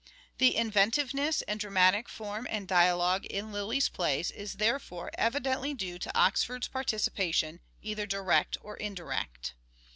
The inventiveness and dramatic form and dialogue in Lyly's plays is therefore evidently due to Oxford's participation either direct or indirect.